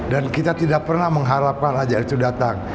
dan kita tidak pernah mengharapkan ajah itu datang